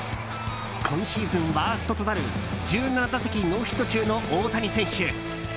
今シーズンワーストとなる１７打席ノーヒット中の大谷選手。